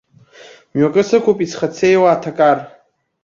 Мҩакы сықәуп исхацеиуа аҭакар.